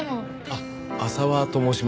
あっ浅輪と申します。